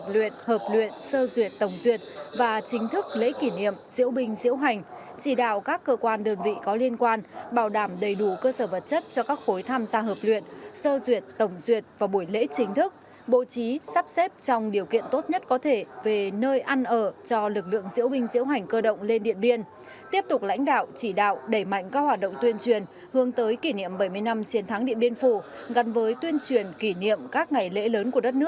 lễ tổng duyệt và chính thức lễ kỷ niệm diễu binh diễu hành chỉ đạo các cơ quan đơn vị có liên quan bảo đảm đầy đủ cơ sở vật chất cho các khối tham gia hợp luyện sơ duyệt tổng duyệt và buổi lễ chính thức bộ trí sắp xếp trong điều kiện tốt nhất có thể về nơi ăn ở cho lực lượng diễu binh diễu hành cơ động lên điện biên tiếp tục lãnh đạo chỉ đạo đẩy mạnh các hoạt động tuyên truyền hướng tới kỷ niệm bảy mươi năm chiến thắng địa biên phủ gần với tuyên truyền kỷ niệm các ngày lễ lớn của đ